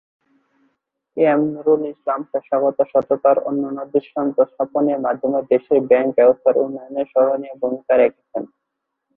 M Nurul Islam পেশাগত সততার অনন্য দৃষ্টান্ত স্থাপনের মাধ্যমে দেশের ব্যাংক ব্যবস্থার উন্নয়নে স্মরণীয় ভূমিকা রেখেছেন।